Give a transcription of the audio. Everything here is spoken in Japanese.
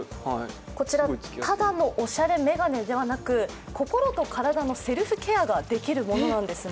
こちら、ただのおしゃれ眼鏡ではなく、心と体のセルフケアができるものなんですね。